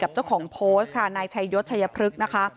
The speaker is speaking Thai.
เจ้าของโพสต์ค่ะนายชัยยศชัยพฤกษ์นะคะ